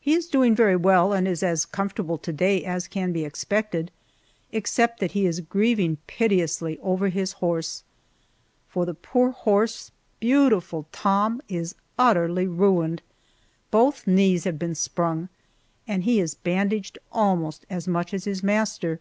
He is doing very well, and is as comfortable to day as can be expected, except that he is grieving piteously over his horse, for the poor horse beautiful Tom is utterly ruined! Both knees have been sprung, and he is bandaged almost as much as his master.